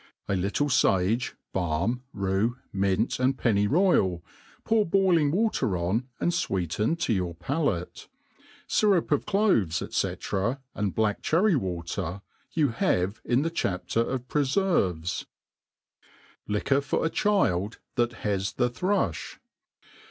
A little fage, balm, rue, mint* and pcnny royal, pour boiling water on, and fweeten to your palate. Syrup of cloves, .&c. and black cherry water, you h^ve in the chapter of Pre*^ fervcs. Liquor fir a Child thai bas tbi Tbrujb.